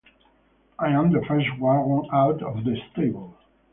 I am the first wagon out of the stable.